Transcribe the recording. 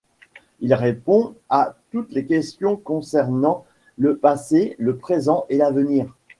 Il répond à toutes les questions concernant le passé, le présent et l'avenir.